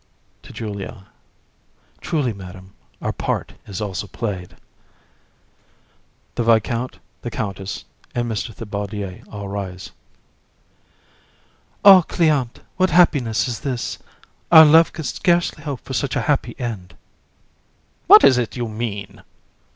(To JULIA) Truly, Madam, our part is also played. The VISCOUNT, the COUNTESS, and MR. THIBAUDIER, all rise. JU. Ah! Cléante, what happiness is this! Our love could scarcely hope for such a happy end. COUN. What is it you mean?